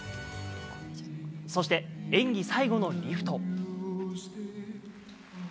そして演技最後のリフト。